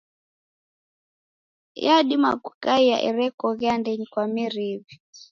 Yadima kukaia erekoghe andenyi kwa meri iw'i.